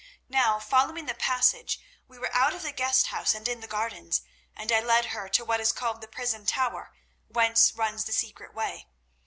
"Now, following the passage, we were out of the guest house and in the gardens, and I led her to what is called the prison tower, whence runs the secret way.